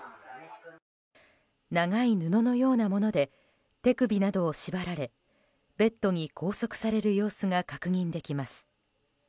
長い布のようなもので手首などを縛られベッドに拘束される様子が確認できます。